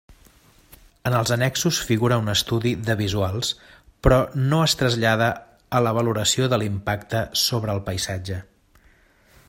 En els annexos figura un estudi de visuals, però no es trasllada a la valoració de l'impacte sobre el paisatge.